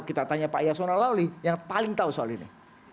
kita tanya pak yasona lawli yang paling tahu soal ini